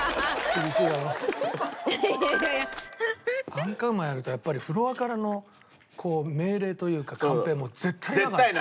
アンカーウーマンやるとやっぱりフロアからの命令というかカンペはもう絶対だから。